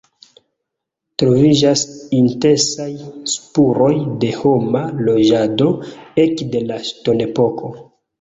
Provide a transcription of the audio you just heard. Troviĝas intensaj spuroj de homa loĝado ekde la ŝtonepoko.